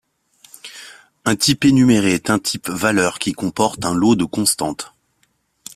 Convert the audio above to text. Un type énuméré est un type valeur qui comporte un lot de constantes.